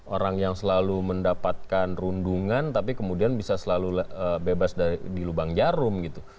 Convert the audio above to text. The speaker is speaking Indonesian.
orang yang selalu mendapatkan rundungan tapi kemudian bisa selalu bebas di lubang jarum gitu